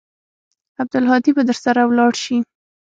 عبدالهادي به درسره ولاړ سي.